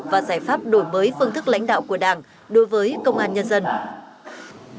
và giải pháp đổi mới phương thức lãnh đạo của đảng đối với công an nhân dân